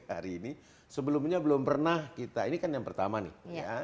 hari ini sebelumnya belum pernah kita ini kan yang pertama nih